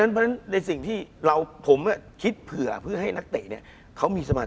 คุณผู้ชมบางท่าอาจจะไม่เข้าใจที่พิเตียร์สาร